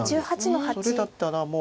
それだったらもう。